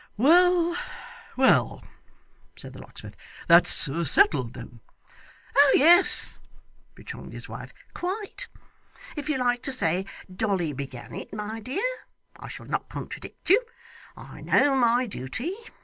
'Well, well,' said the locksmith. 'That's settled then.' 'Oh yes,' rejoined his wife, 'quite. If you like to say Dolly began it, my dear, I shall not contradict you. I know my duty.